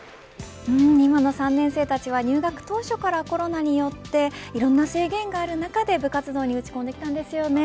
今の３年生たちは入学当初からコロナによっていろんな制限がある中で部活動に打ち込んできたんですよね。